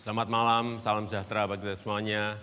selamat malam salam sejahtera bagi kita semuanya